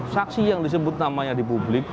saksi yang disebut namanya di publik